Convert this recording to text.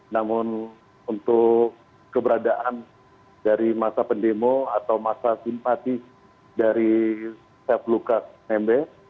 namun untuk keberadaan dari masa pendemo atau masa simpati dari safe lukas nmb